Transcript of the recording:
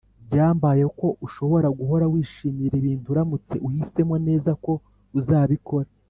"byambayeho ko ushobora guhora wishimira ibintu uramutse uhisemo neza ko uzabikora."